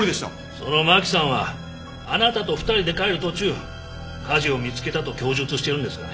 その麻紀さんはあなたと２人で帰る途中火事を見つけたと供述してるんですがね。